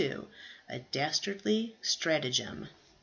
A DASTARDLY STRATAGEM.